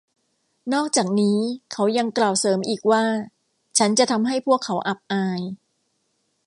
นอกจากนี้เขายังกล่าวเสริมอีกว่า“ ฉันจะทำให้พวกเขาอับอาย”